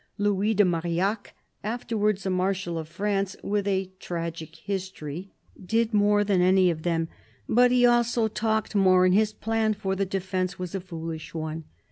Louis de Marillac, afterwafds a Marshal of France with a tragic history, did more than any of them ; but he also talked more, and his plan for the defence was a foolish one.